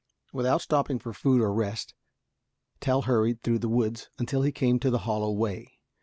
Without stopping for food or rest, Tell hurried through the woods until he came to the Hollow Way.